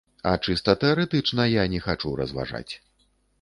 А чыста тэарэтычна я не хачу разважаць.